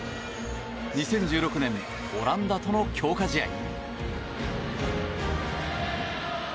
２０１６年オランダとの強化試合。